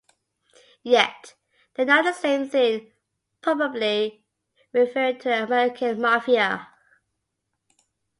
Yet they are not the same thing, probably referring to the American Mafia.